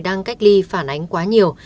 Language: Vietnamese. đang cách ly phản ánh quá nhiều